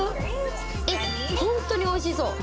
えっホントにおいしそう。